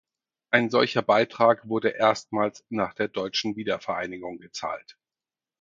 Ein solcher Beitrag wurde erstmals nach der deutschen Wiedervereinigung gezahlt.